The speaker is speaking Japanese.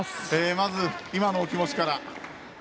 まず、今のお気持ちから。